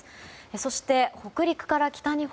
そして、北陸から北日本